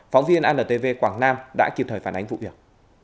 phóng viên antv quảng nam đã kịp thời phản ánh vụ việc